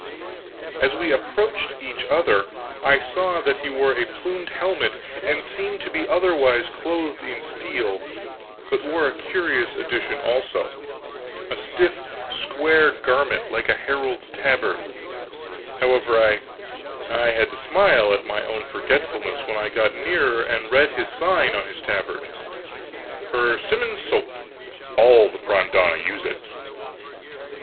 As we approached each other, I saw that he wore a plumed helmet, and seemed to be otherwise clothed in steel, but bore a curious addition also a stiff square garment like a herald's tabard. However, I had to smile at my own forgetfulness when I got nearer and read this sign on his tabard: _"Persimmon's Soap All the Prime Donna Use It."